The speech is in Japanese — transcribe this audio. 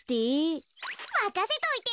まかせといて。